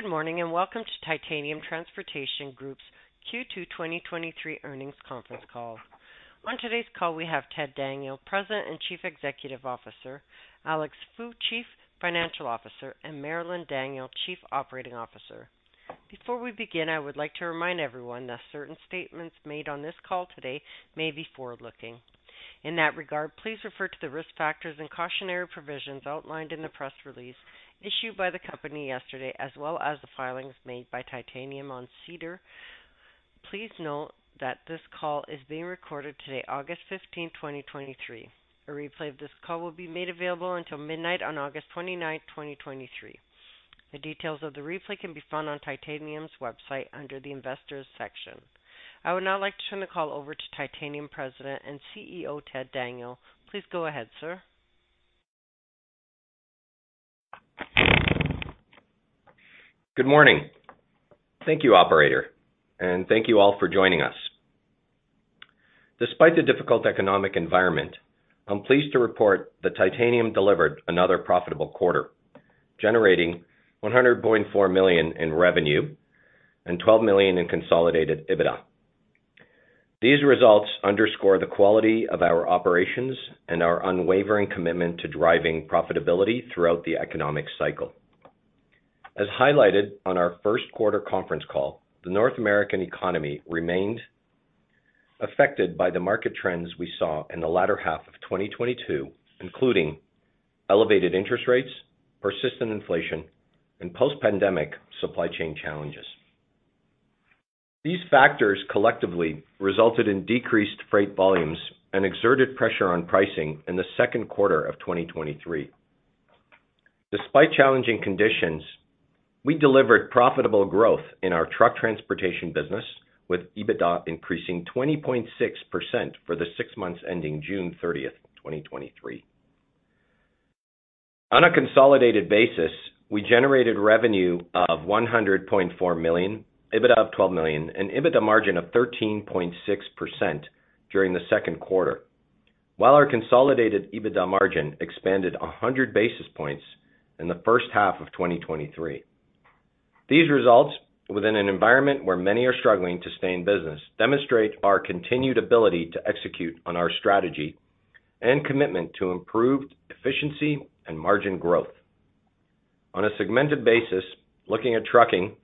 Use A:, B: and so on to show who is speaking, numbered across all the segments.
A: Good morning, and welcome to Titanium Transportation Group's Q2 2023 earnings conference call. On today's call, we have Ted Daniel, President and Chief Executive Officer, Alex Fu, Chief Financial Officer, and Marilyn Daniel, Chief Operating Officer. Before we begin, I would like to remind everyone that certain statements made on this call today may be forward-looking. In that regard, please refer to the risk factors and cautionary provisions outlined in the press release issued by the company yesterday as well as the filings made by Titanium on SEDAR. Please note that this call is being recorded today, August 15th, 2023. A replay of this call will be made available until midnight on August 29th, 2023. The details of the replay can be found on Titanium's website under the investors section. I would now like to turn the call over to Titanium President and CEO, Ted Daniel. Please go ahead, sir.
B: Good morning. Thank you, operator, and thank you all for joining us. Despite the difficult economic environment, I'm pleased to report that Titanium delivered another profitable quarter, generating 100.4 million in revenue and 12 million in consolidated EBITDA. These results underscore the quality of our operations and our unwavering commitment to driving profitability throughout the economic cycle. As highlighted on our first quarter conference call, the North American economy remained affected by the market trends we saw in the latter half of 2022, including elevated interest rates, persistent inflation, and post-pandemic supply chain challenges. These factors collectively resulted in decreased freight volumes and exerted pressure on pricing in the second quarter of 2023. Despite challenging conditions, we delivered profitable growth in our truck transportation business, with EBITDA increasing 20.6% for the six months ending June 30th, 2023. On a consolidated basis, we generated revenue of $100.4 million, EBITDA of $12 million, and EBITDA margin of 13.6% during the second quarter, while our consolidated EBITDA margin expanded 100 basis points in the first half of 2023. These results, within an environment where many are struggling to stay in business, demonstrate our continued ability to execute on our strategy and commitment to improved efficiency and margin growth. On a segmented basis, looking at trucking,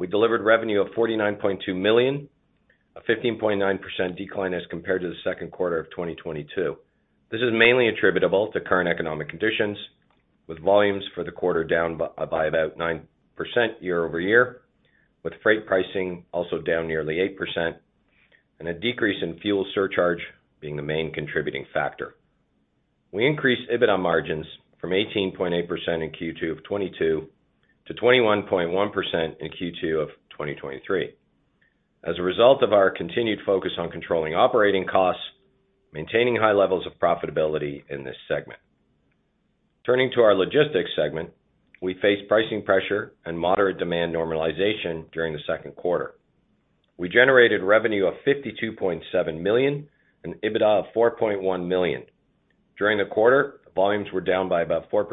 B: we delivered revenue of $49.2 million, a 15.9% decline as compared to the second quarter of 2022. This is mainly attributable to current economic conditions, with volumes for the quarter down by about 9% year-over-year, with freight pricing also down nearly 8% and a decrease in fuel surcharge being the main contributing factor. We increased EBITDA margins from 18.8% in Q2 of 2022 to 21.1% in Q2 of 2023 as a result of our continued focus on controlling operating costs, maintaining high levels of profitability in this segment. Turning to our logistics segment, we faced pricing pressure and moderate demand normalization during the second quarter. We generated revenue of 52.7 million and EBITDA of 4.1 million. During the quarter, volumes were down by about 4%,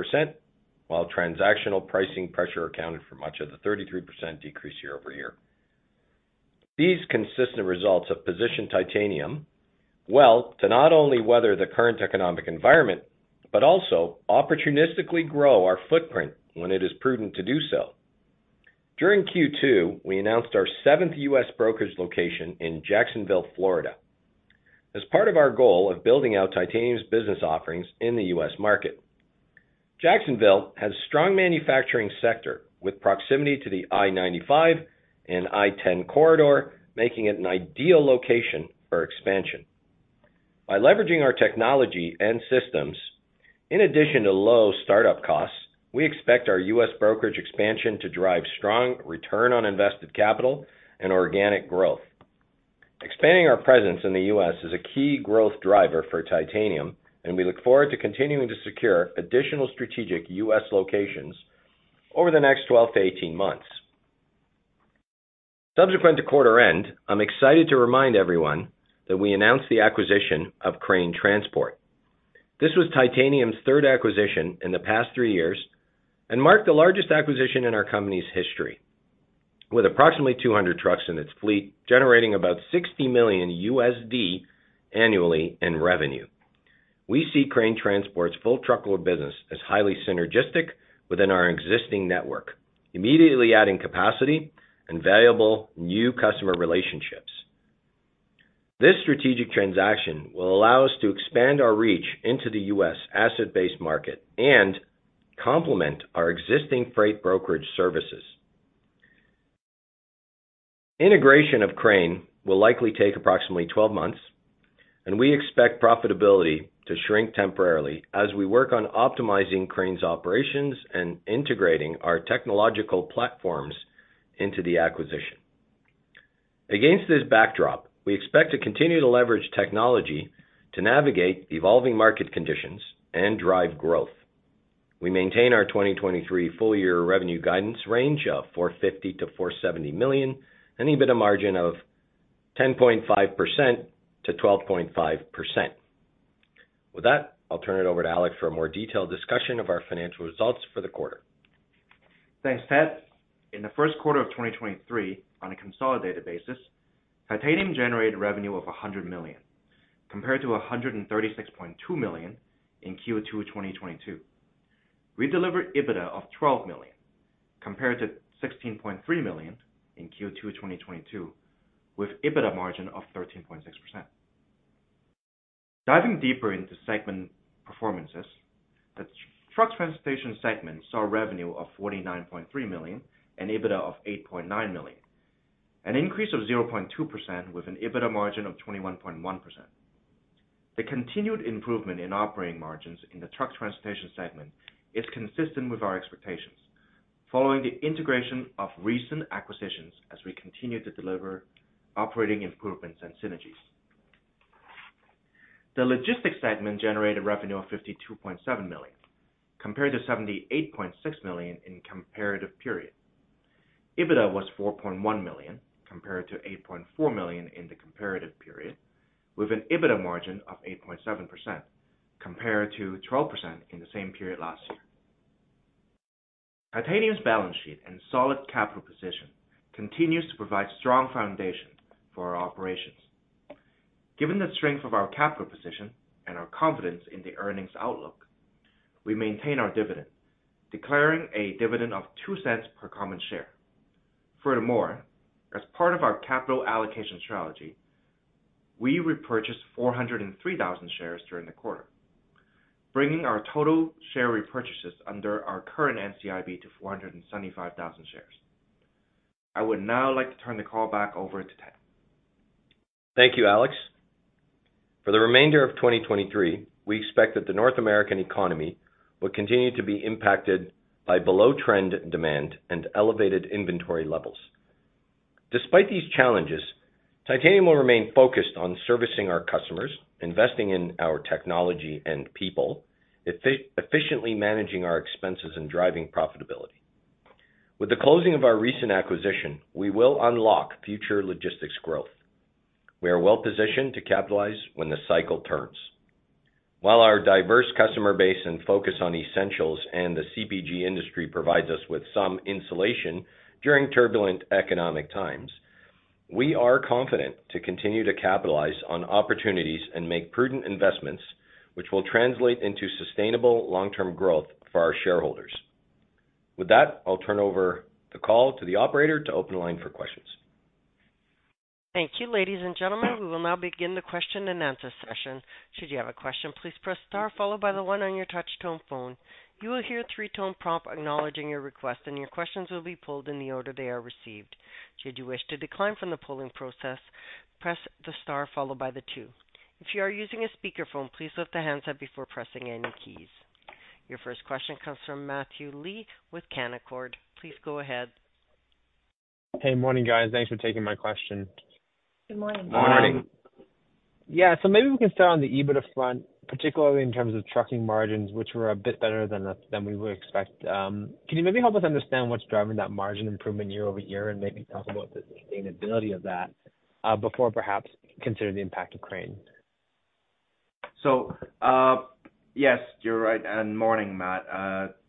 B: while transactional pricing pressure accounted for much of the 33% decrease year-over-year. These consistent results have positioned Titanium well to not only weather the current economic environment, but also opportunistically grow our footprint when it is prudent to do so. During Q2, we announced our 7th U.S. brokerage location in Jacksonville, Florida, as part of our goal of building out Titanium's business offerings in the U.S. market. Jacksonville has a strong manufacturing sector with proximity to the I-95 and I-10 corridor, making it an ideal location for expansion. By leveraging our technology and systems, in addition to low startup costs, we expect our U.S. brokerage expansion to drive strong return on invested capital and organic growth. Expanding our presence in the U.S. is a key growth driver for Titanium, and we look forward to continuing to secure additional strategic U.S. locations over the next 12 to 18 months. Subsequent to quarter end, I'm excited to remind everyone that we announced the acquisition of Crane Transport. This was Titanium's third acquisition in the past three years and marked the largest acquisition in our company's history, with approximately 200 trucks in its fleet, generating about $60 million annually in revenue. We see Crane Transport's full truckload business as highly synergistic within our existing network, immediately adding capacity and valuable new customer relationships. This strategic transaction will allow us to expand our reach into the U.S. asset-based market and complement our existing freight brokerage services. Integration of Crane will likely take approximately 12 months, and we expect profitability to shrink temporarily as we work on optimizing Crane's operations and integrating our technological platforms into the acquisition. Against this backdrop, we expect to continue to leverage technology to navigate evolving market conditions and drive growth.... We maintain our 2023 full year revenue guidance range of 450 million-470 million, and EBITDA margin of 10.5%-12.5%. With that, I'll turn it over to Alex for a more detailed discussion of our financial results for the quarter.
C: Thanks, Ted. In the first quarter of 2023, on a consolidated basis, Titanium generated revenue of 100 million, compared to 136.2 million in Q2 2022. We delivered EBITDA of 12 million, compared to 16.3 million in Q2 2022, with EBITDA margin of 13.6%. Diving deeper into segment performances, the truck transportation segment saw revenue of 49.3 million and EBITDA of 8.9 million, an increase of 0.2% with an EBITDA margin of 21.1%. The continued improvement in operating margins in the truck transportation segment is consistent with our expectations, following the integration of recent acquisitions as we continue to deliver operating improvements and synergies. The logistics segment generated revenue of 52.7 million, compared to 78.6 million in comparative period. EBITDA was 4.1 million, compared to 8.4 million in the comparative period, with an EBITDA margin of 8.7%, compared to 12% in the same period last year. Titanium's balance sheet and solid capital position continues to provide strong foundation for our operations. Given the strength of our capital position and our confidence in the earnings outlook, we maintain our dividend, declaring a dividend of 0.02 per common share. As part of our capital allocation strategy, we repurchased 403,000 shares during the quarter, bringing our total share repurchases under our current NCIB to 475,000 shares. I would now like to turn the call back over to Ted.
B: Thank you, Alex. For the remainder of 2023, we expect that the North American economy will continue to be impacted by below-trend demand and elevated inventory levels. Despite these challenges, Titanium will remain focused on servicing our customers, investing in our technology and people, efficiently managing our expenses, and driving profitability. With the closing of our recent acquisition, we will unlock future logistics growth. We are well positioned to capitalize when the cycle turns. While our diverse customer base and focus on essentials and the CPG industry provides us with some insulation during turbulent economic times, we are confident to continue to capitalize on opportunities and make prudent investments, which will translate into sustainable long-term growth for our shareholders. With that, I'll turn over the call to the operator to open the line for questions.
A: Thank you, ladies and gentlemen. We will now begin the question-and-answer session. Should you have a question, please press star followed by the one on your touch tone phone. You will hear a three-tone prompt acknowledging your request, and your questions will be pulled in the order they are received. Should you wish to decline from the polling process, press the star followed by the two. If you are using a speakerphone, please lift the handset before pressing any keys. Your first question comes from Matthew Lee with Canaccord. Please go ahead.
D: Hey, morning, guys. Thanks for taking my question.
E: Good morning.
B: Morning.
D: Yeah. Maybe we can start on the EBITDA front, particularly in terms of trucking margins, which were a bit better than the, than we would expect. Can you maybe help us understand what's driving that margin improvement year-over-year, and maybe talk about the sustainability of that before perhaps considering the impact of Crane?
C: Yes, you're right. Morning, Matt,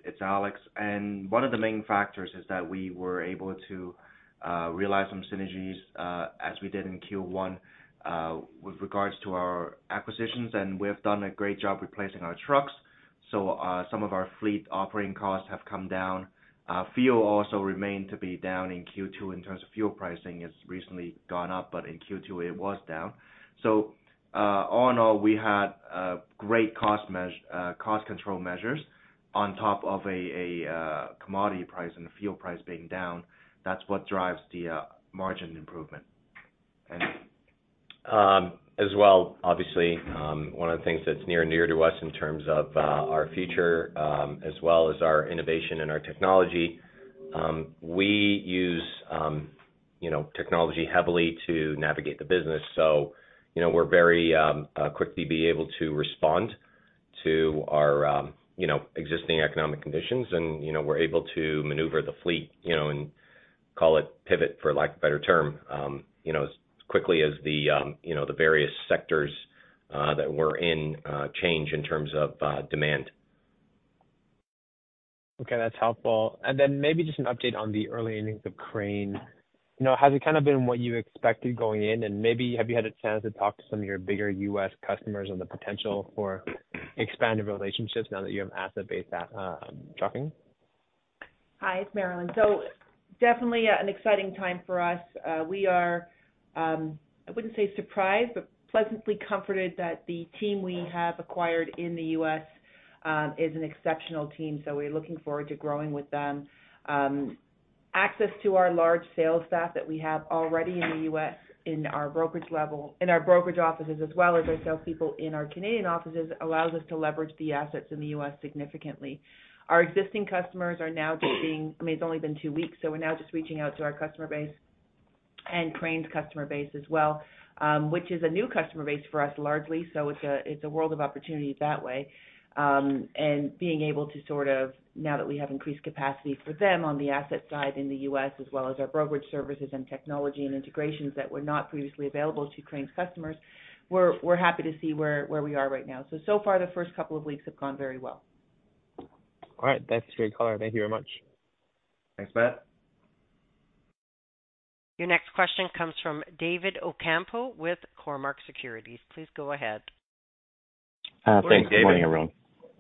C: it's Alex. One of the main factors is that we were able to realize some synergies, as we did in Q1, with regards to our acquisitions, and we have done a great job replacing our trucks. Some of our fleet operating costs have come down. Fuel also remained to be down in Q2. In terms of fuel pricing, it's recently gone up, but in Q2, it was down. All in all, we had great cost control measures on top of a commodity price and the fuel price being down. That's what drives the margin improvement. Thank you.
B: As well, obviously, one of the things that's near and dear to us in terms of our future, as well as our innovation and our technology, we use, you know, technology heavily to navigate the business. You know, we're very quickly be able to respond to our existing economic conditions and, you know, we're able to maneuver the fleet, you know, and call it pivot, for lack of a better term, you know, as quickly as the various sectors that we're in change in terms of demand.
D: Okay, that's helpful. Then maybe just an update on the early innings of Crane. You know, has it kind of been what you expected going in? Maybe have you had a chance to talk to some of your bigger US customers on the potential for expanded relationships now that you have asset-based, trucking?
E: Hi, it's Marilyn. Definitely an exciting time for us. We are, I wouldn't say surprised, but pleasantly comforted that the team we have acquired in the U.S. is an exceptional team, so we're looking forward to growing with them. Access to our large sales staff that we have already in the U.S. in our brokerage level, in our brokerage offices, as well as our sales people in our Canadian offices, allows us to leverage the assets in the U.S. significantly. Our existing customers are now just being... I mean, it's only been two weeks, so we're now just reaching out to our customer base.... and Crane's customer base as well, which is a new customer base for us, largely. It's a, it's a world of opportunity that way. Being able to sort of, now that we have increased capacity for them on the asset side in the US, as well as our brokerage services and technology and integrations that were not previously available to Crane's customers, we're, we're happy to see where, where we are right now. So far, the first couple of weeks have gone very well.
D: All right. Thanks for your call, and thank you very much.
C: Thanks, Matt.
A: Your next question comes from David Ocampo with Cormark Securities. Please go ahead.
C: Thanks, David.
F: Good morning, everyone.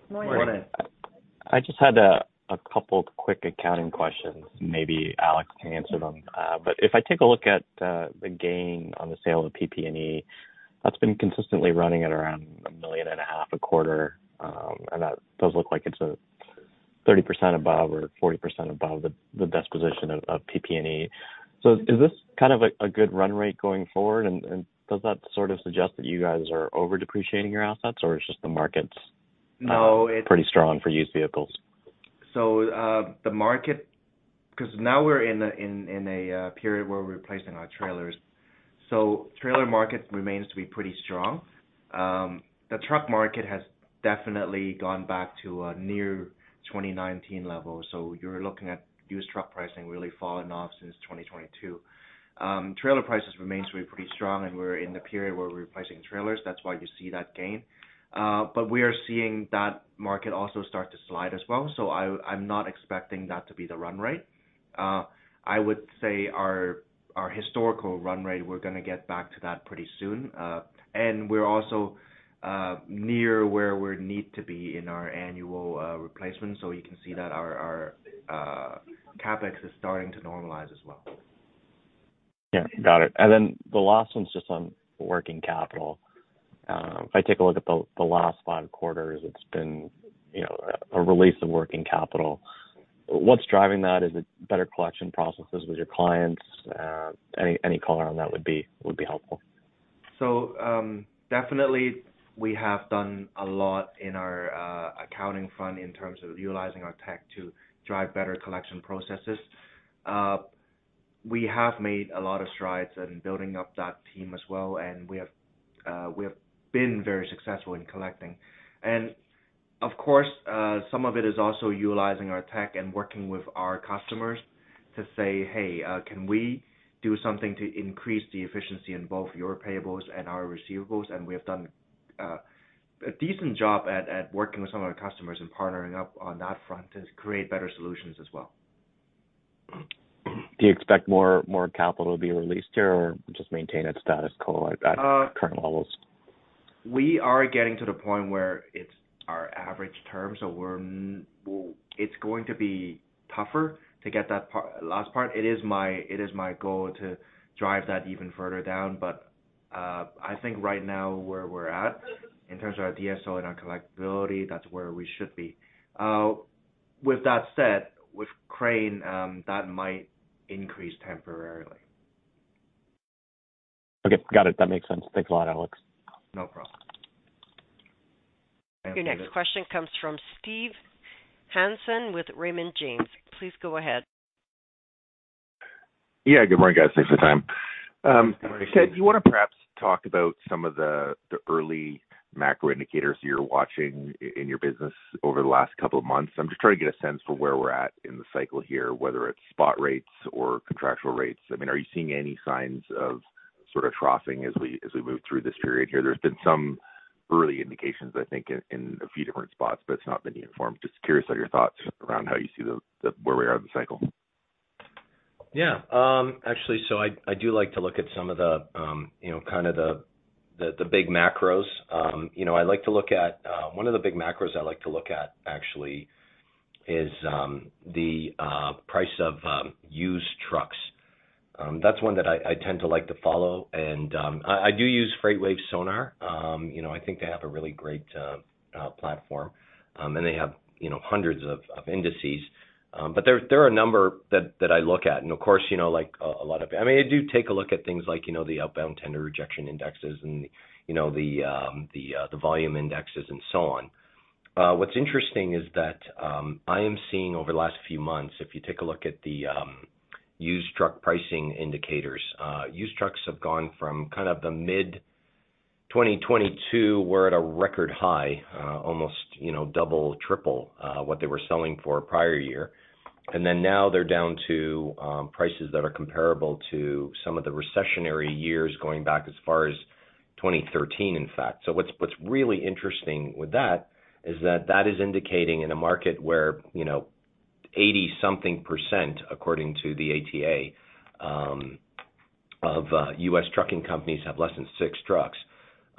B: Good morning.
C: Good morning.
F: I just had a, a couple quick accounting questions. Maybe Alex can answer them. If I take a look at the gain on the sale of PP&E, that's been consistently running at around $1.5 million a quarter, and that does look like it's a 30% above or 40 above the disposition of PP&E. Is this kind of a, a good run rate going forward, and, and does that sort of suggest that you guys are over-depreciating your assets, or it's just the markets-
C: No.
F: pretty strong for used vehicles?
C: The market because now we're in a period where we're replacing our trailers. Trailer market remains to be pretty strong. The truck market has definitely gone back to near 2019 levels. You're looking at used truck pricing really falling off since 2022. Trailer prices remains to be pretty strong, and we're in the period where we're replacing trailers. That's why you see that gain. But we are seeing that market also start to slide as well, so I'm not expecting that to be the run rate. I would say our, our historical run rate, we're gonna get back to that pretty soon. And we're also near where we need to be in our annual replacement. You can see that our, our CapEx is starting to normalize as well.
F: Yeah, got it. Then the last one's just on working capital. If I take a look at the, the last 5 quarters, it's been, you know, a, a release of working capital. What's driving that? Is it better collection processes with your clients? Any, any color on that would be, would be helpful.
C: Definitely we have done a lot in our accounting front in terms of utilizing our tech to drive better collection processes. We have made a lot of strides in building up that team as well, and we have been very successful in collecting. Of course, some of it is also utilizing our tech and working with our customers to say, "Hey, can we do something to increase the efficiency in both your payables and our receivables?" We have done a decent job at working with some of our customers and partnering up on that front to create better solutions as well.
F: Do you expect more, more capital to be released here or just maintain its status quo at, at current levels?
C: We are getting to the point where it's our average term, so we're, it's going to be tougher to get that part, last part. It is my goal to drive that even further down. I think right now, where we're at, in terms of our DSO and our collectibility, that's where we should be. With that said, with Crane, that might increase temporarily.
F: Okay, got it. That makes sense. Thanks a lot, Alex.
C: No problem.
A: Your next question comes from Steve Hansen with Raymond James. Please go ahead.
G: Yeah. Good morning, guys. Thanks for the time.
C: Good morning, Steve.
G: Do you want to perhaps talk about some of the, the early macro indicators you're watching in your business over the last couple of months? I'm just trying to get a sense for where we're at in the cycle here, whether it's spot rates or contractual rates. I mean, are you seeing any signs of sort of troughing as we, as we move through this period here? There's been some early indications, I think, in, in a few different spots, but it's not been uniform. Just curious about your thoughts around how you see the, where we are in the cycle.
B: Yeah. Actually, I, I do like to look at some of the, you know, kind of the big macros. You know, I like to look at-- One of the big macros I like to look at, actually, is the price of used trucks. That's one that I, I tend to like to follow. I, I do use FreightWaves SONAR. You know, I think they have a really great platform, and they have, you know, hundreds of indices. There, there are a number that, that I look at. Of course, you know, like, a lot of- I mean, I do take a look at things like, you know, the Outbound Tender Reject Index and, you know, the volume indexes and so on. What's interesting is that, I am seeing over the last few months, if you take a look at the used truck pricing indicators, used trucks have gone from kind of the mid-2022, we're at a record high, almost, you know, double, triple, what they were selling for prior year. Then now they're down to prices that are comparable to some of the recessionary years, going back as far as 2013, in fact. What's, what's really interesting with that is that, that is indicating in a market where, you know, 80 something%, according to the ATA, of US trucking companies have less than 6 trucks.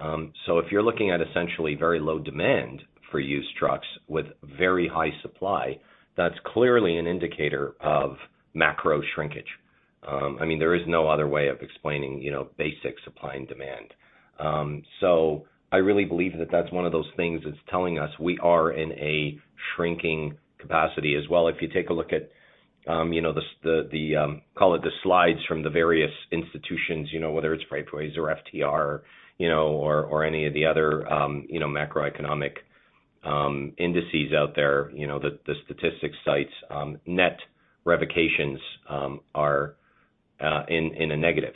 B: If you're looking at essentially very low demand for used trucks with very high supply, that's clearly an indicator of macro shrinkage. I mean, there is no other way of explaining, you know, basic supply and demand. I really believe that that's one of those things that's telling us we are in a shrinking capacity as well. If you take a look at, you know, the call it the slides from the various institutions, you know, whether it's FreightWaves or FTR, you know, or, or any of the other, you know, macroeconomic indices out there, you know, the statistics sites, net revocations are in a negative.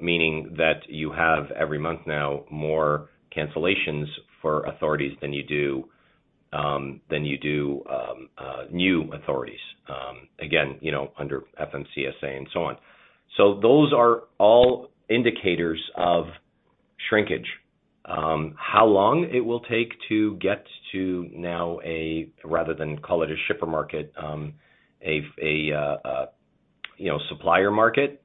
B: Meaning that you have every month now more cancellations for authorities than you do than you do new authorities again, you know, under FMCSA and so on. Those are all indicators of shrinkage. How long it will take to get to now a, rather than call it a shipper market, a, a, you know, supplier market,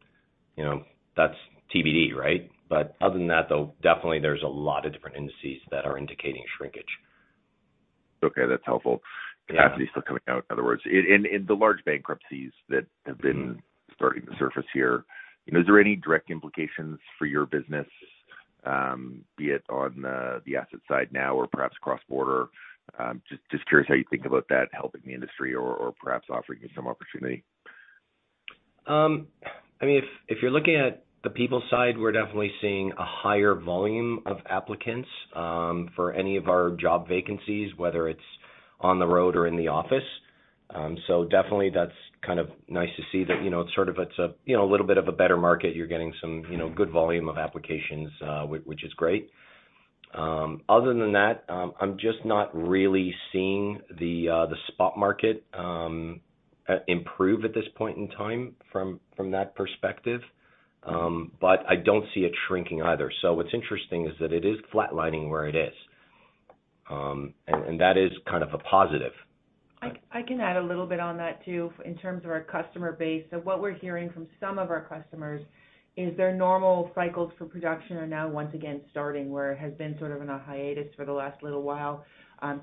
B: you know, that's TBD, right? Other than that, though, definitely there's a lot of different indices that are indicating shrinkage.
G: Okay, that's helpful.
B: Yeah.
G: Capacity is still coming out, in other words. In the large bankruptcies that have been-
B: Mm-hmm
G: Starting to surface here, you know, is there any direct implications for your business, be it on the, the asset side now or perhaps cross-border? Just curious how you think about that helping the industry or perhaps offering you some opportunity?
B: I mean, if, if you're looking at the people side, we're definitely seeing a higher volume of applicants for any of our job vacancies, whether it's on the road or in the office. So definitely that's kind of nice to see that, you know, it's sort of it's a, you know, a little bit of a better market. You're getting some, you know, good volume of applications, which is great. Other than that, I'm just not really seeing the spot market improve at this point in time from, from that perspective. I don't see it shrinking either. What's interesting is that it is flatlining where it is. That is kind of a positive.
E: I, I can add a little bit on that, too, in terms of our customer base. What we're hearing from some of our customers is their normal cycles for production are now once again starting, where it has been sort of on a hiatus for the last little while,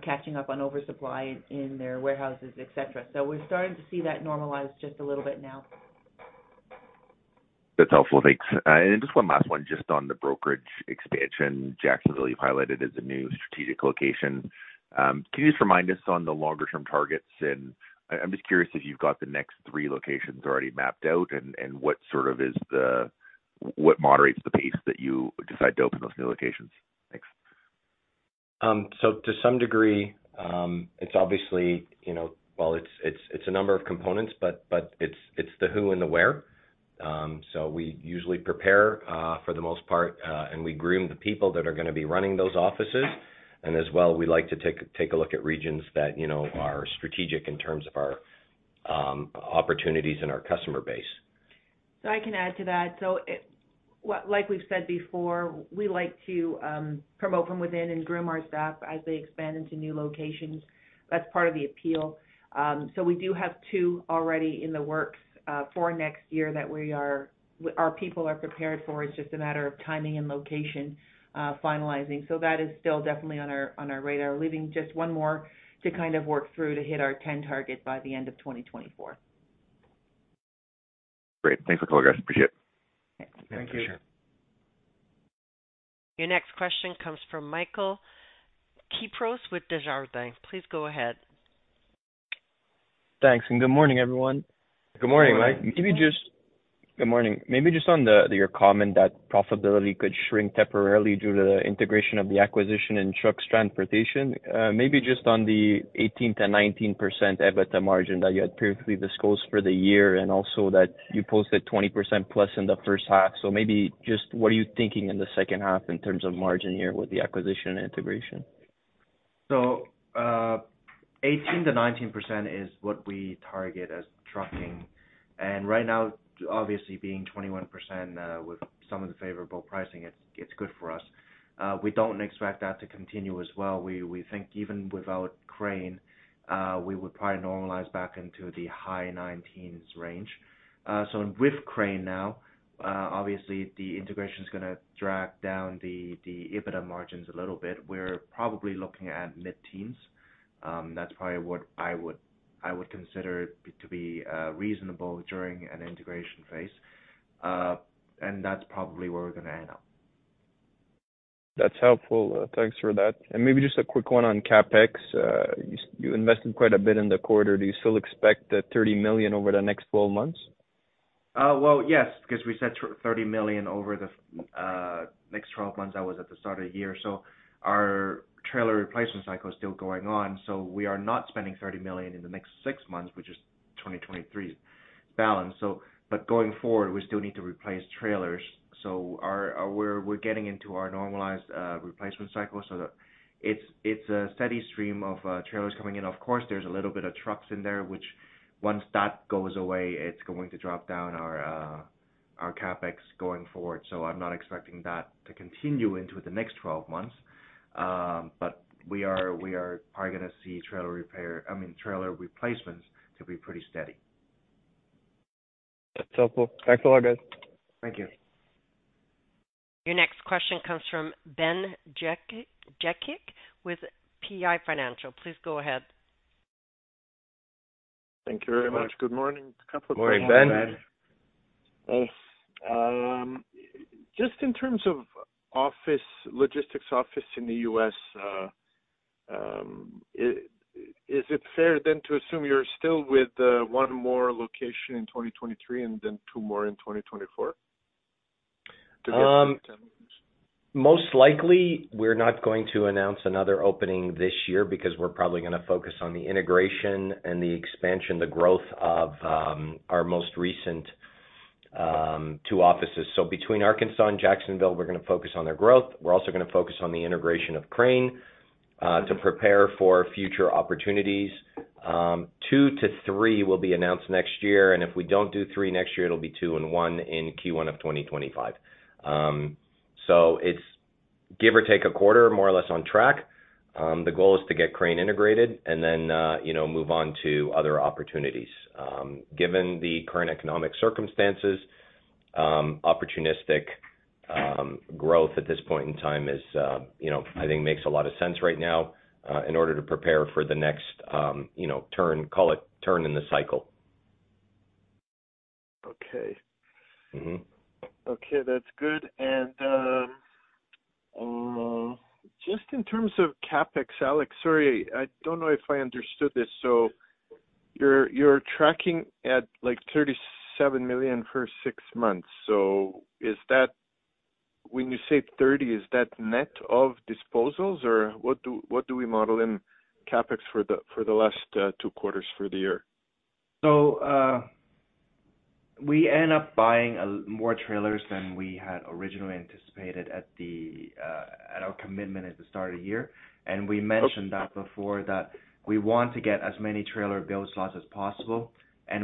E: catching up on oversupply in their warehouses, et cetera. We're starting to see that normalize just a little bit now.
G: That's helpful. Thanks. Just one last one, just on the brokerage expansion. Jacksonville, you've highlighted, is a new strategic location. Can you just remind us on the longer term targets? I'm just curious if you've got the next 3 locations already mapped out, what moderates the pace that you decide to open those new locations? Thanks.
B: To some degree, it's obviously, you know. Well, it's a number of components, but it's the who and the where. We usually prepare for the most part, and we groom the people that are gonna be running those offices. As well, we like to take a look at regions that, you know, are strategic in terms of our opportunities and our customer base.
E: I can add to that. It, like we've said before, we like to promote from within and groom our staff as they expand into new locations. That's part of the appeal. We do have 2 already in the works for next year that we are, our people are prepared for. It's just a matter of timing and location, finalizing. That is still definitely on our, on our radar, leaving just 1 more to kind of work through to hit our 10 target by the end of 2024.
G: Great. Thanks a lot, guys. Appreciate it.
E: Thank you.
B: Sure.
A: Your next question comes from Michael Kypreos with Desjardins. Please go ahead.
H: Thanks, and good morning, everyone.
B: Good morning, Mike.
H: Good morning. Maybe just on the, your comment that profitability could shrink temporarily due to the integration of the acquisition in trucks transportation. Maybe just on the 18%-19% EBITDA margin that you had previously disclosed for the year, and also that you posted 20%+ in the first half. Maybe just what are you thinking in the second half in terms of margin here with the acquisition and integration?
C: 18%-19% is what we target as trucking. Right now, obviously being 21%, with some of the favorable pricing, it's, it's good for us. We don't expect that to continue as well. We, we think even without Crane, we would probably normalize back into the high 19s range. With Crane now, obviously, the integration is gonna drag down the, the EBITDA margins a little bit. We're probably looking at mid-teens. That's probably what I would, I would consider to be reasonable during an integration phase. That's probably where we're gonna end up.
H: That's helpful. Thanks for that. Maybe just a quick one on CapEx. You, you invested quite a bit in the quarter. Do you still expect that 30 million over the next 12 months?
C: Well, yes, because we said $30 million over the next 12 months, that was at the start of the year. Our trailer replacement cycle is still going on, so we are not spending $30 million in the next 6 months, which is 2023's balance. Going forward, we still need to replace trailers. We're, we're getting into our normalized replacement cycle. The, it's, it's a steady stream of trailers coming in. Of course, there's a little bit of trucks in there, which once that goes away, it's going to drop down our CapEx going forward. I'm not expecting that to continue into the next 12 months. We are, we are probably gonna see trailer repair, I mean, trailer replacements to be pretty steady.
H: That's helpful. Thanks a lot, guys.
C: Thank you.
A: Your next question comes from Ben Jekic, with PI Financial. Please go ahead.
I: Thank you very much. Good morning.
B: Good morning, Ben.
I: Just in terms of office, logistics office in the US, is it fair then to assume you're still with 1 more location in 2023 and then 2 more in 2024?
B: Most likely, we're not going to announce another opening this year because we're probably gonna focus on the integration and the expansion, the growth of our most recent 2 offices. Between Arkansas and Jacksonville, we're gonna focus on their growth. We're also gonna focus on the integration of Crane to prepare for future opportunities. 2 to 3 will be announced next year, and if we don't do 3 next year, it'll be 2 and 1 in Q1 of 2025. It's give or take a quarter, more or less on track. The goal is to get Crane integrated and then, you know, move on to other opportunities. Given the current economic circumstances, opportunistic growth at this point in time is, you know, I think makes a lot of sense right now, in order to prepare for the next, you know, turn, call it turn in the cycle.
I: Okay.
B: Mm-hmm.
I: Okay, that's good. Just in terms of CapEx, Alex, sorry, I don't know if I understood this. You're, you're tracking at 37 million for six months. Is that... When you say 30, is that net of disposals, or what do we model in CapEx for the, for the last, two quarters for the year?
C: We end up buying more trailers than we had originally anticipated at our commitment at the start of the year. We mentioned that before, that we want to get as many trailer build slots as possible.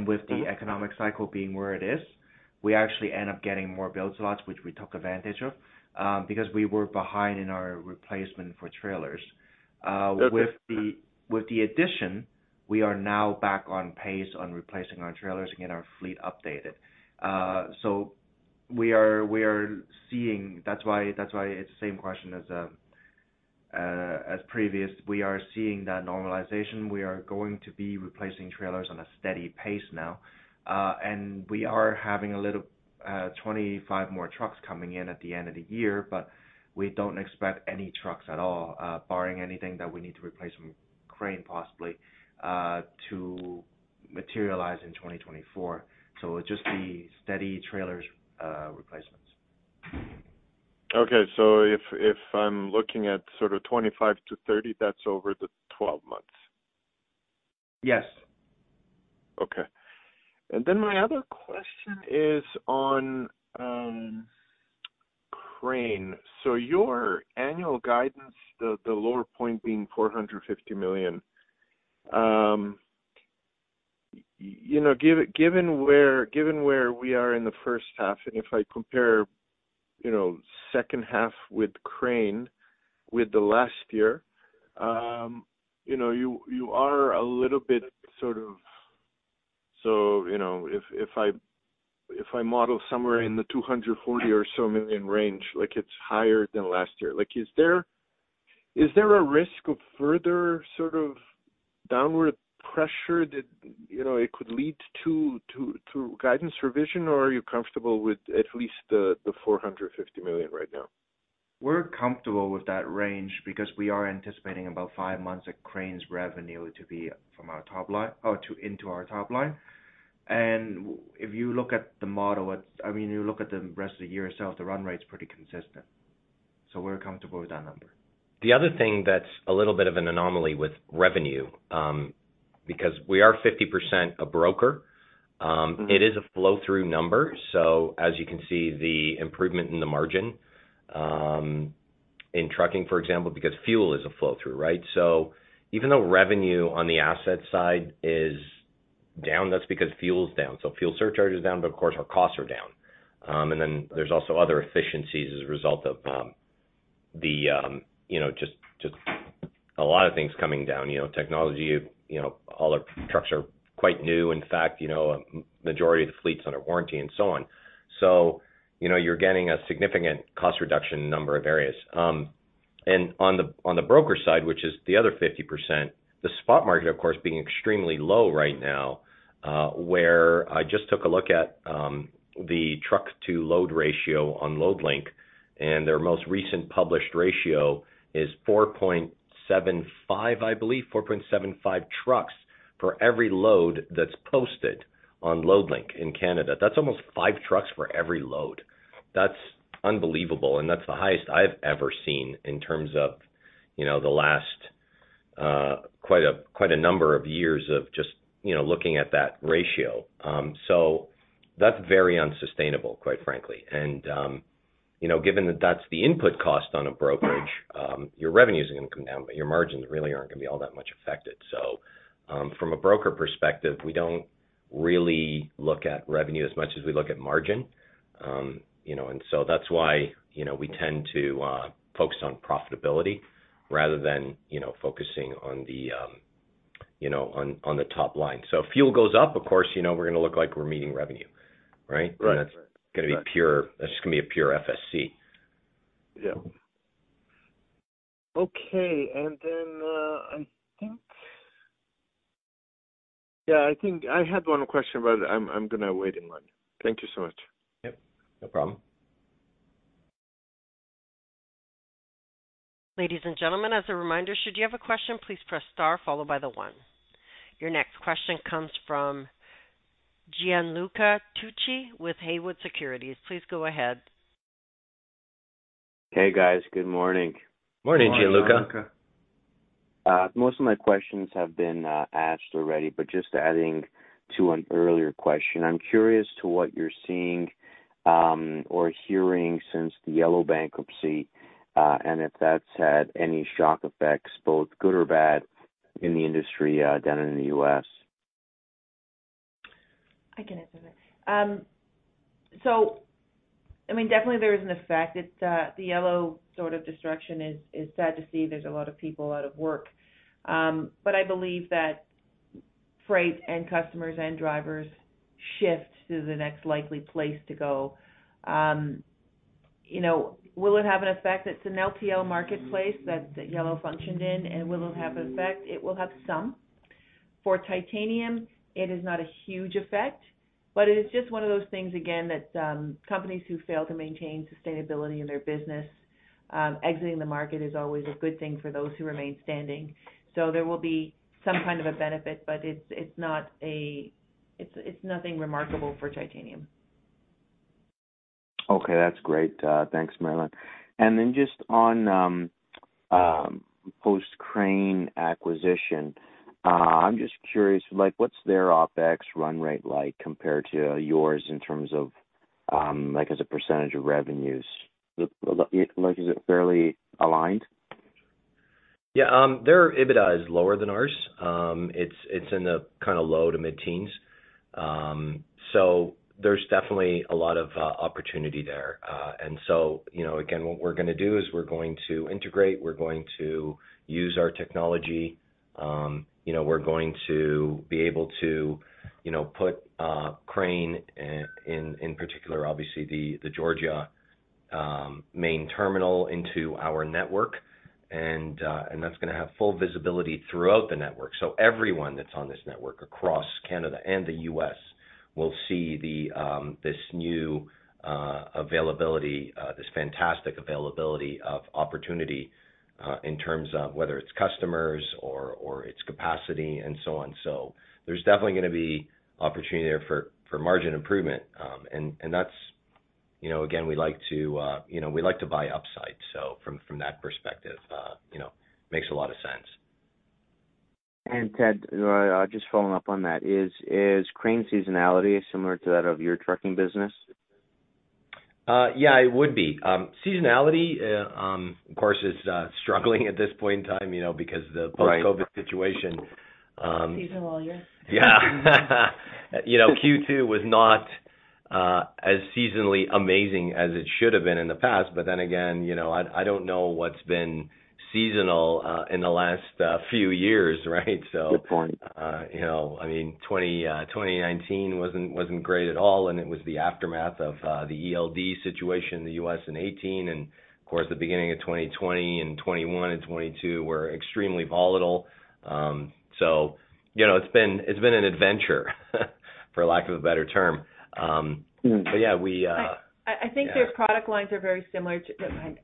C: With the economic cycle being where it is, we actually end up getting more build slots, which we took advantage of, because we were behind in our replacement for trailers.
I: Okay.
C: With the, with the addition, we are now back on pace on replacing our trailers to get our fleet updated. We are, we are seeing... That's why, that's why it's the same question as previous. We are seeing that normalization. We are going to be replacing trailers on a steady pace now. And we are having a little 25 more trucks coming in at the end of the year, but we don't expect any trucks at all, barring anything that we need to replace from Crane, possibly, to materialize in 2024. It'll just be steady trailers, replacements.
I: Okay, if, if I'm looking at sort of 25 to 30, that's over the 12 months?
C: Yes.
I: Okay. My other question is on Crane. Your annual guidance, the, the lower point being $450 million. You know, given where, given where we are in the first half, and if I compare, you know, second half with Crane with the last year, you know, you, you are a little bit. You know, if, if I, if I model somewhere in the $240 million or so range, it's higher than last year. Is there, is there a risk of further sort of downward pressure that, you know, it could lead to, to, to guidance revision, or are you comfortable with at least the, the $450 million right now?
C: We're comfortable with that range because we are anticipating about five months of Crane's revenue to be from our top line, to into our top line. If you look at the model, it's, I mean, you look at the rest of the year itself, the run rate is pretty consistent, so we're comfortable with that number.
B: The other thing that's a little bit of an anomaly with revenue, because we are 50% a broker.
I: Mm-hmm.
B: It is a flow-through number. As you can see, the improvement in the margin in trucking, for example, because fuel is a flow-through, right? Even though revenue on the asset side is down, that's because fuel's down, so fuel surcharge is down, but of course, our costs are down. There's also other efficiencies as a result of the, you know, just, just a lot of things coming down. You know, technology, you know, all our trucks are quite new. In fact, you know, majority of the fleet's under warranty and so on. You know, you're getting a significant cost reduction in a number of areas. On the, on the broker side, which is the other 50%, the spot market, of course, being extremely low right now, where I just took a look at the truck-to-load ratio on Loadlink, and their most recent published ratio is 4.75, I believe. 4.75 trucks for every load that's posted on Loadlink in Canada. That's almost 5 trucks for every load. That's unbelievable, that's the highest I've ever seen in terms of, you know, the last, quite a, quite a number of years of just, you know, looking at that ratio. That's very unsustainable, quite frankly. You know, given that that's the input cost on a brokerage-
I: Mm-hmm.
B: Your revenues are gonna come down, but your margins really aren't gonna be all that much affected. From a broker perspective, we don't really look at revenue as much as we look at margin. You know, and so that's why, you know, we tend to focus on profitability rather than, you know, focusing on the, you know, on, on the top line. If fuel goes up, of course, you know we're gonna look like we're meeting revenue, right?
I: Right.
B: That's gonna be pure, that's just gonna be a pure FSC.
I: Yeah. Okay, and then, Yeah, I think I had one question, but I'm gonna wait in line. Thank you so much.
B: Yep, no problem....
A: Ladies and gentlemen, as a reminder, should you have a question, please press star followed by the one. Your next question comes from Gianluca Tucci with Haywood Securities. Please go ahead.
J: Hey, guys. Good morning.
B: Morning, Gianluca.
J: Most of my questions have been asked already, but just adding to an earlier question, I'm curious to what you're seeing, or hearing since the Yellow bankruptcy, and if that's had any shock effects, both good or bad, in the industry, down in the U.S.
E: I can answer that. I mean, definitely there is an effect. It's, the Yellow sort of destruction is, is sad to see there's a lot of people out of work. I believe that freight and customers and drivers shift to the next likely place to go. You know, will it have an effect? It's an LTL marketplace that, that Yellow functioned in. Will it have an effect? It will have some. For Titanium, it is not a huge effect, it is just one of those things that companies who fail to maintain sustainability in their business, exiting the market is always a good thing for those who remain standing. There will be some kind of a benefit, it's, it's not a, it's, it's nothing remarkable for Titanium.
J: Okay, that's great. Thanks, Marilyn. Just on post-Crane acquisition, I'm just curious, like, what's their OpEx run rate like compared to yours in terms of, like as a percentage of revenues? Like, is it fairly aligned?
B: Yeah, their EBITDA is lower than ours. It's, it's in the kinda low to mid-teens. There's definitely a lot of opportunity there. You know, again, what we're gonna do is we're going to integrate, we're going to use our technology. You know, we're going to be able to, you know, put Crane in particular, obviously the Georgia main terminal into our network. That's gonna have full visibility throughout the network. Everyone that's on this network, across Canada and the U.S., will see the this new availability, this fantastic availability of opportunity in terms of whether it's customers or, or it's capacity and so on. There's definitely gonna be opportunity there for, for margin improvement. That's, you know, again, we like to, you know, we like to buy upside. From, from that perspective, you know, makes a lot of sense.
J: Ted, just following up on that, is, is Crane seasonality similar to that of your trucking business?
B: Yeah, it would be. Seasonality, of course, is struggling at this point in time, you know, because of.
J: Right.
B: post-COVID situation.
E: Season all year.
B: Yeah. You know, Q2 was not as seasonally amazing as it should have been in the past. Then again, you know, I, I don't know what's been seasonal in the last few years, right?
J: Good point.
B: You know, I mean, 2019 wasn't, wasn't great at all, and it was the aftermath of, the ELD situation in the US in 2018. Of course, the beginning of 2020 and 2021 and 2022 were extremely volatile. You know, it's been, it's been an adventure, for lack of a better term. Yeah, we,
E: I think.
B: Yeah.
E: their product lines are very similar to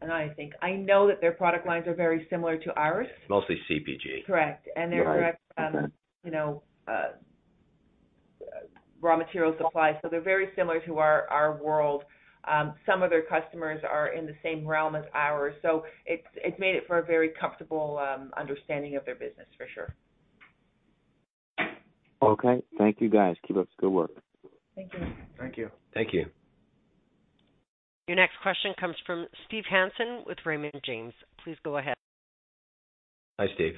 E: I think. I know that their product lines are very similar to ours.
B: Mostly CPG.
E: Correct.
B: Right.
E: They're correct, you know, raw material supplies, so they're very similar to our, our world. Some of their customers are in the same realm as ours, so it's, it's made it for a very comfortable understanding of their business for sure.
J: Okay. Thank you, guys. Keep up the good work.
E: Thank you.
B: Thank you.
A: Your next question comes from Steve Hansen with Raymond James. Please go ahead.
B: Hi, Steve.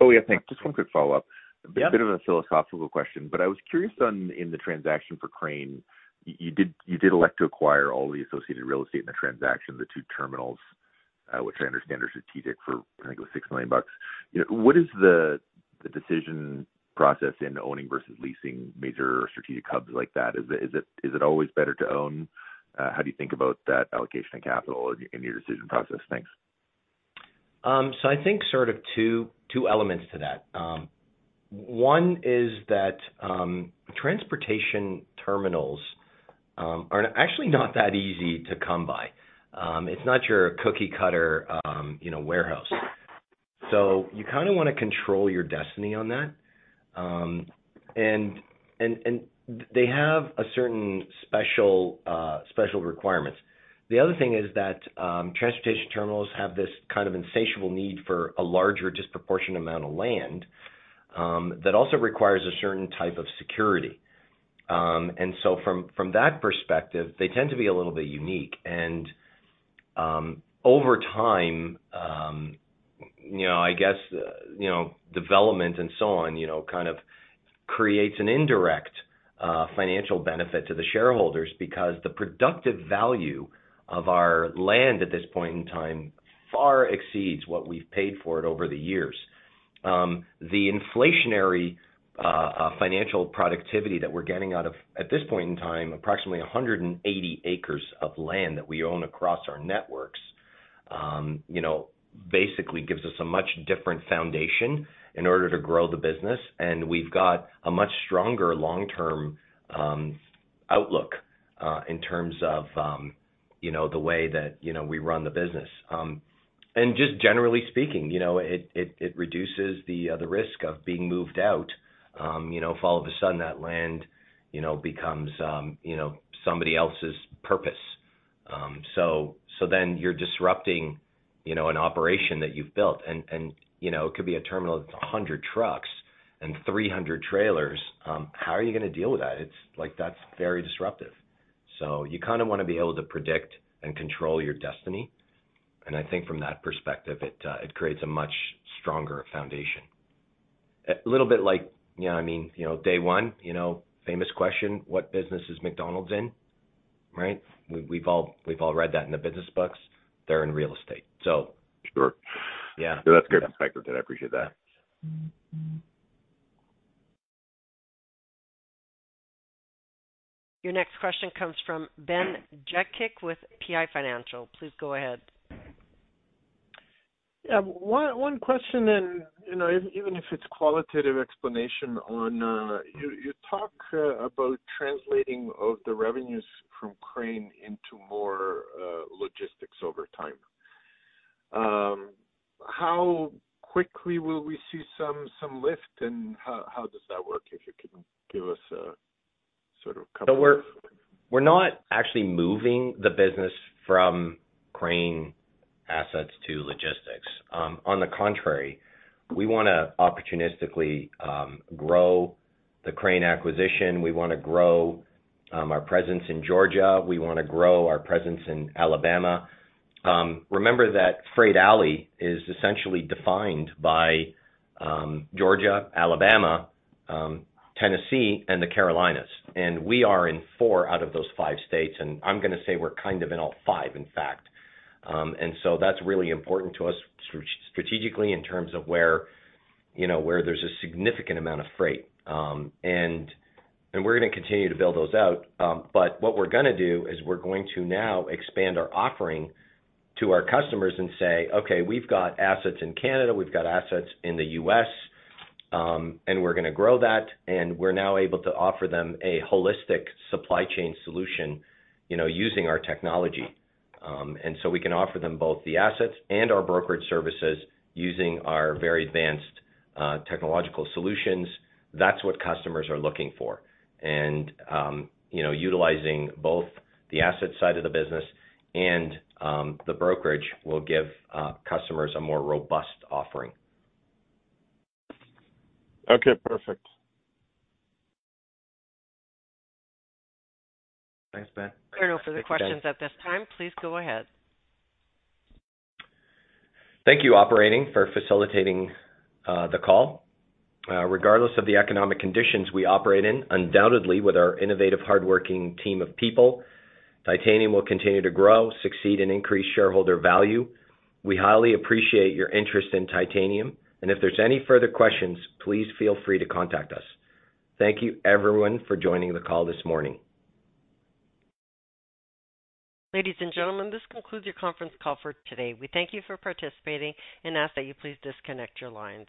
G: Oh, yeah. Thanks. Just one quick follow-up.
B: Yep.
G: A bit of a philosophical question. I was curious on in the transaction for Crane, you did elect to acquire all the associated real estate in the transaction, the two terminals, which I understand are strategic for, I think it was 6 million bucks. You know, what is the decision process in owning versus leasing major strategic hubs like that? Is it always better to own? How do you think about that allocation of capital in your decision process? Thanks.
B: I think sort of two, two elements to that. One is that transportation terminals are actually not that easy to come by. It's not your cookie-cutter, you know, warehouse. You kinda wanna control your destiny on that. And they have a certain special requirements. The other thing is that transportation terminals have this kind of insatiable need for a larger, disproportionate amount of land that also requires a certain type of security. And so from, from that perspective, they tend to be a little bit unique. Over time, you know, I guess, you know, development and so on, you know, kind of creates an indirect financial benefit to the shareholders because the productive value of our land at this point in time far exceeds what we've paid for it over the years. The inflationary financial productivity that we're getting out of, at this point in time, approximately 180 acres of land that we own across our networks, you know, basically gives us a much different foundation in order to grow the business. We've got a much stronger long-term outlook in terms of, you know, the way that, you know, we run the business. Just generally speaking, you know, it, it, it reduces the risk of being moved out, you know, if all of a sudden that land, you know, becomes, you know, somebody else's purpose. Then you're disrupting, you know, an operation that you've built and, and, you know, it could be a terminal with 100 trucks and 300 trailers. How are you gonna deal with that? It's like, that's very disruptive. You kinda wanna be able to predict and control your destiny. I think from that perspective, it, it creates a much stronger foundation. A little bit like, you know what I mean, you know, day one, you know, famous question, what business is McDonald's in? Right? We've all, we've all read that in the business books. They're in real estate, so.
G: Sure.
B: Yeah.
G: That's good perspective, and I appreciate that.
A: Your next question comes from Ben Jekic with PI Financial. Please go ahead.
I: Yeah, one, one question, and, you know, even if it's qualitative explanation on, you, you talk about translating of the revenues from Crane into more, logistics over time. How quickly will we see some, some lift, and how, how does that work? If you can give us a sort of couple.
B: We're not actually moving the business from Crane assets to logistics. On the contrary, we wanna opportunistically grow the Crane acquisition. We wanna grow our presence in Georgia. We wanna grow our presence in Alabama. Remember that Freight Alley is essentially defined by Georgia, Alabama, Tennessee, and the Carolinas, and we are in four out of those five states, and I'm gonna say we're kind of in all five, in fact. That's really important to us strategically, in terms of where, you know, where there's a significant amount of freight. We're gonna continue to build those out. What we're gonna do is we're going to now expand our offering to our customers and say, "Okay, we've got assets in Canada, we've got assets in the U.S., and we're gonna grow that," and we're now able to offer them a holistic supply chain solution, you know, using our technology. We can offer them both the assets and our brokerage services, using our very advanced, technological solutions. That's what customers are looking for. Utilizing both the asset side of the business and the brokerage will give customers a more robust offering.
I: Okay, perfect.
G: Thanks, Ben.
A: No further questions at this time. Please go ahead.
B: Thank you, operating, for facilitating the call. Regardless of the economic conditions we operate in, undoubtedly, with our innovative, hardworking team of people, Titanium will continue to grow, succeed, and increase shareholder value. We highly appreciate your interest in Titanium. If there's any further questions, please feel free to contact us. Thank you, everyone, for joining the call this morning.
A: Ladies and gentlemen, this concludes your conference call for today. We thank you for participating and ask that you please disconnect your lines.